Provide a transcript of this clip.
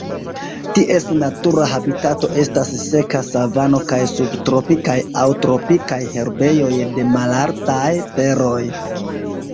Ties natura habitato estas seka savano kaj subtropikaj aŭ tropikaj herbejoj de malaltaj teroj.